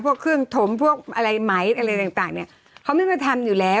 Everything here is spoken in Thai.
พวกเครื่องถมพวกอะไรไหมอะไรต่างเนี่ยเขาไม่มาทำอยู่แล้ว